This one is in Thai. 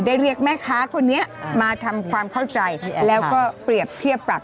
เรียกแม่ค้าคนนี้มาทำความเข้าใจแล้วก็เปรียบเทียบปรับ